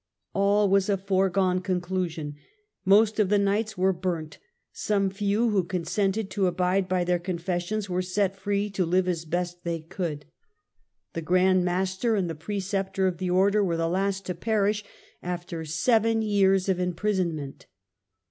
All was a foregone conclusion, most of the Knights w^re burnt, some few, who consented to abide by their confessions, were set free to live as best they could. The Grand Master and the Preceptor of the Order were the last to perish, after seven years of imprisonment.